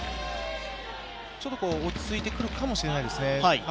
ちょっと落ち着いてくるかもしれないですね。